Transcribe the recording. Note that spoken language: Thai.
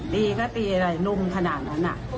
ตีก็ตีอะไรลุมขนาดนั้น